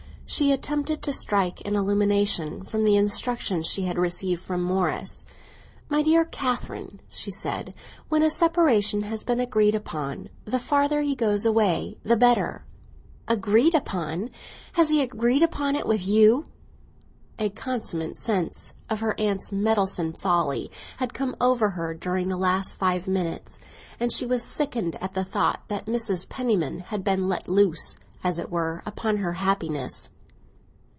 She attempted to strike an illumination from the instructions she had received from Morris. "My dear Catherine," she said, "when a separation has been agreed upon, the farther he goes away the better." "Agreed upon? Has he agreed upon it with you?" A consummate sense of her aunt's meddlesome folly had come over her during the last five minutes, and she was sickened at the thought that Mrs. Penniman had been let loose, as it were, upon her happiness.